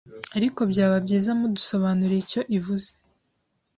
ariko byaba byiza munadusobanuriye icyo ivuze